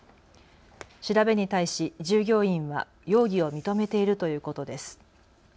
調べに対し従業員は容疑を認めているということです。